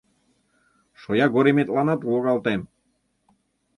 Шоягореметланат логалтем!..